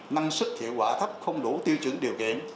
năng sức hiệu quả thấp không đủ tiêu chuẩn điều kiện